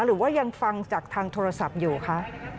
หรือว่ายังฟังจากทางโทรศัพท์อยู่คะ